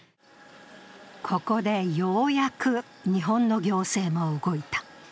ここでようやく日本の行政も動いた。